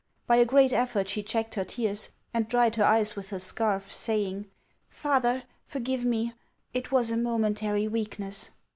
By a great effort she checked her tears, and dried her eyes with her scarf, saying :" Father, forgive me ; it was a momentary weakness."